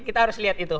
kita harus lihat itu